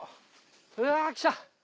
うわ来た！